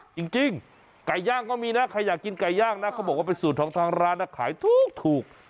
จริงไก่ย่างก็มีนะใครอยากกินไก่ย่างนะเขาบอกว่าเป็นสูตรของทางร้านนะขายถูก